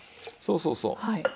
そうそうそう。